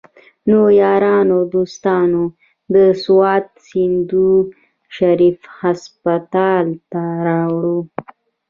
نو يارانو دوستانو د سوات سيدو شريف هسپتال ته راوړو